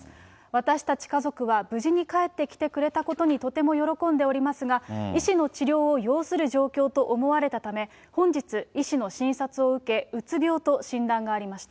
私たち家族は無事に帰ってきてくれたことにとても喜んでおりますが、医師の治療を要する状況と思われたため、本日、医師の診察を受け、うつ病と診断がありました。